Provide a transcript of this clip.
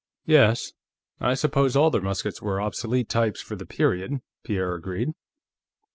"Yes; I suppose all their muskets were obsolete types for the period," Pierre agreed.